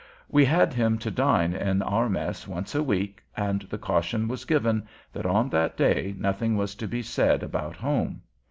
We had him to dine in our mess once a week, and the caution was given that on that day nothing was to be said about home.